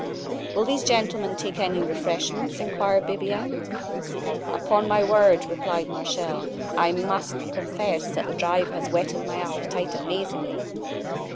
"Will these gentlemen take any refreshments?" inquired Bibiaine. "Upon my word," replied Martial, "I must confess that the drive has whetted my appetite amazingly."